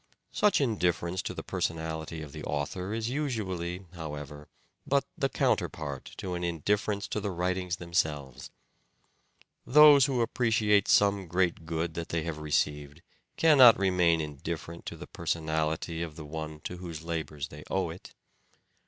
Such indifference to the personality of the author is usually, however, but the counterpart to an indifference to the writings themselves. Those who appreciate some great good that they have received cannot remain indifferent to the personality of the one to whose labours they owe it.